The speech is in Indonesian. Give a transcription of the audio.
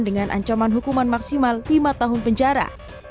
dengan ancaman hukuman maksimal lima tahun penjara